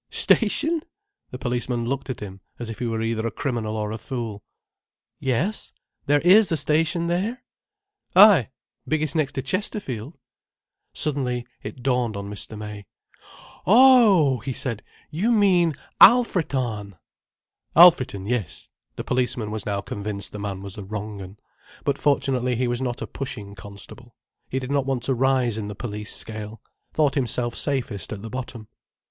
"Station!" The policeman looked at him as if he were either a criminal or a fool. "Yes. There is a station there?" "Ay—biggest next to Chesterfield—" Suddenly it dawned on Mr. May. "Oh h!" he said. "You mean Alfreton—" "Alfreton, yes." The policeman was now convinced the man was a wrong 'un. But fortunately he was not a pushing constable, he did not want to rise in the police scale: thought himself safest at the bottom.